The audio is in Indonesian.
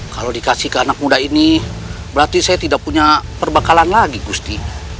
kalau dikasih ke anak muda ini berarti saya tidak punya perbekalan lagi gusti